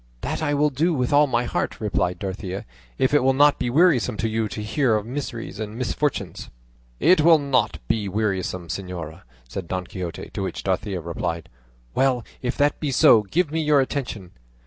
"That I will do with all my heart," replied Dorothea, "if it will not be wearisome to you to hear of miseries and misfortunes." "It will not be wearisome, señora," said Don Quixote; to which Dorothea replied, "Well, if that be so, give me your attention."